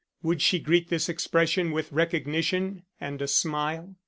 Would she greet this expression with recognition and a smile?